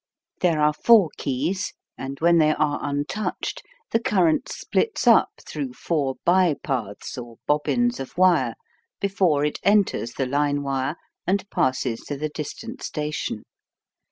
There are four keys, and when they are untouched the current splits up through four by paths or bobbins of wire before it enters the line wire and passes to the distant station.